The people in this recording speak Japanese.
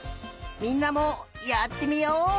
みんなもやってみよう！